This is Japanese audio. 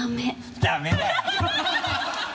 ダメだよ